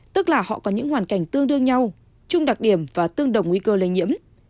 tức là họ có những hoàn cảnh tương đương nhau trung đặc điểm và tương đồng nguy cơ lây nhiễm